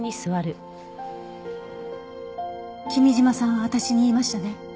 君嶋さんは私に言いましたね。